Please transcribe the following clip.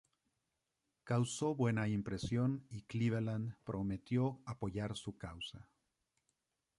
Causó buena impresión y Cleveland prometió apoyar su causa.